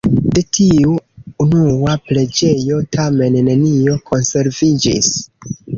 De tiu unua preĝejo tamen nenio konserviĝis.